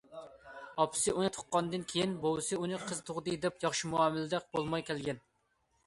ئاپىسى ئۇنى تۇغقاندىن كېيىن، بوۋىسى ئۇنى قىز تۇغدى دەپ ياخشى مۇئامىلىدە بولماي كەلگەن.